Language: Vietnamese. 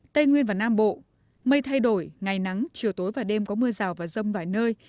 tây nguyên và nam bộ mây thay đổi ngày nắng chiều tối và đêm có mưa rào và rông vài nơi